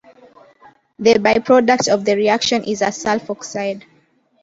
The byproduct of the reaction is a sulfoxide.